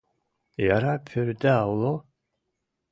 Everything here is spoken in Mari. Яра пӧртда уло?